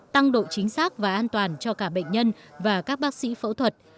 tăng độ chính xác và an toàn cho cả bệnh nhân và các bác sĩ phẫu thuật